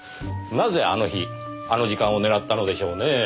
なぜあの日あの時間を狙ったのでしょうねぇ。